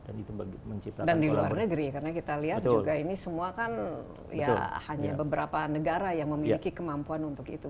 dan di luar negeri ya karena kita lihat juga ini semua kan ya hanya beberapa negara yang memiliki kemampuan untuk itu